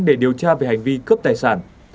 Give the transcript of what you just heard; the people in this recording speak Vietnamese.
để điều tra về hành vi cướp tài sản